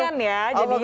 apa kabar mik